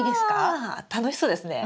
あ楽しそうですね！